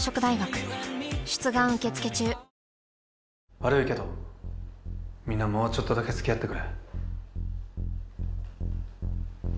悪いけどみんなもうちょっとだけつきあってくれ。